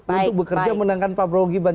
untuk bekerja mendangkan pak brogiban